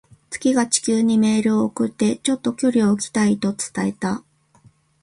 月が地球にメールを送って、「ちょっと距離を置きたい」と伝えた。